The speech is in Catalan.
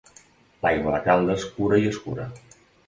L'aigua de Caldes cura i escura.